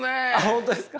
本当ですか。